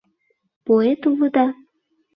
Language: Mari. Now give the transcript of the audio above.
Поэт улыда?